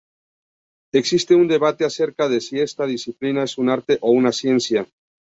Existe un debate acerca de si esta disciplina es un arte o una ciencia.